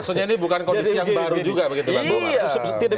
maksudnya ini bukan kondisi yang baru juga begitu bang